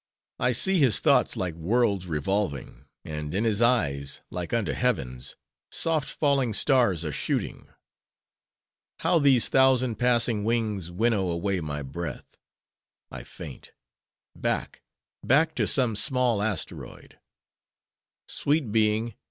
I see his thoughts like worlds revolving—and in his eyes—like unto heavens—soft falling stars are shooting.—How these thousand passing wings winnow away my breath:—I faint:—back, back to some small asteroid.—Sweet being!